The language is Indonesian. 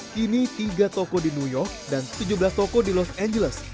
kini tiga toko di new york dan tujuh belas toko di los angeles